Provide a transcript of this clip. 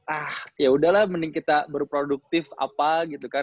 ah yaudahlah mending kita berproduktif apa gitu kan